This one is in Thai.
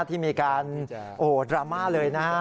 ที่มีการดราม่าเลยนะฮะ